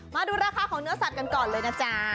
มาดูราคาของเนื้อสัตว์กันก่อนเลยนะจ๊ะ